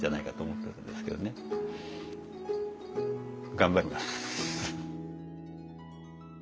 頑張ります。